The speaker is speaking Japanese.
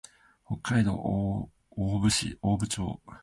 北海道雄武町